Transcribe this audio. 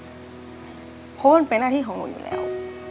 เพราะว่ามันเป็นหน้าที่ของหนูอยู่แล้ว